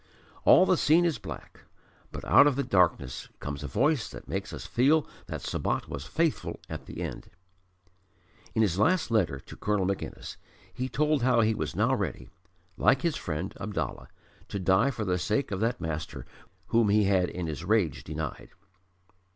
All the scene is black, but out of the darkness comes a voice that makes us feel that Sabat was faithful at the end. In his last letter to Colonel MacInnes he told how he was now ready (like his friend Abdallah) to die for the sake of that Master whom he had in his rage denied.